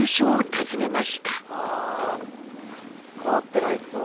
あ変わってないっすわ。